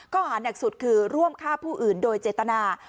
ข้อหานักสุดคือร่วมฆ่าผู้อื่นโดยเจตนา